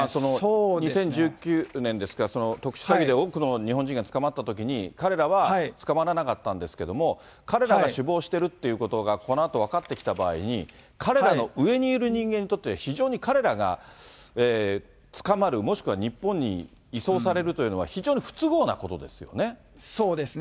２０１９年ですか、特殊詐欺で多くの日本人が捕まったときに、彼らは捕まらなかったんですけど、彼らが首謀してるということがこのあと分かってきた場合に、彼らの上にいる人間にとっては非常に彼らが捕まる、もしくは日本に移送されるというのは、そうですね。